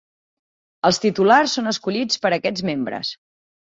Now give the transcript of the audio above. Els titulars són escollits per aquests membres.